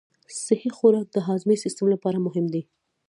صحي خوراک د هاضمي سیستم لپاره مهم دی.